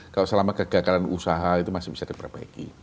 kalau selama kegagalan usaha itu masih bisa diperbaiki